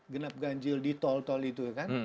genap ganjil di tol tol itu kan